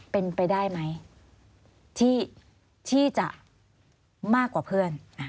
เป็นไปได้ไหมที่จะมากกว่าเพื่อน